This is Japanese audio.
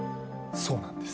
そうなんです。